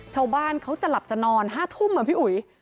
ชาวบ้านเขาจะหลับจะนอน๕ทุ่มอ่ะพี่อุ๋ย